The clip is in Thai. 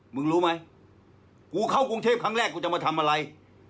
มึงรู้ไหมกูเข้ากรุงเทพครั้งแรกกูจะมาทำอะไร